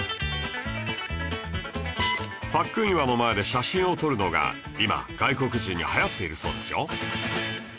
パックン岩の前で写真を撮るのが今外国人に流行っているそうですよ